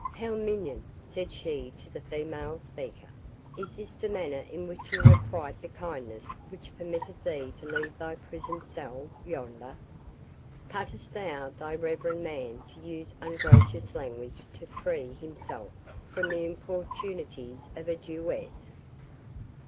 "How, minion," said she to the female speaker, "is this the manner in which you requite the kindness which permitted thee to leave thy prison cell yonder?—Puttest thou the reverend man to use ungracious language to free himself from the importunities of a Jewess?"